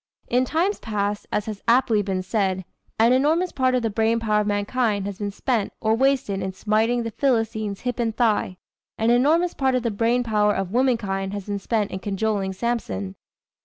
In times past, as has aptly been said, "an enormous part of the brain power of mankind has been spent or wasted in smiting the Philistines hip and thigh, and an enormous part of the brain power of womankind has been spent in cajoling Sampson."